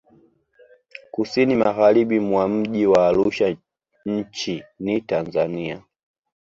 Kusini Magharibi mwa mji wa Arusha nchi ni Tanzania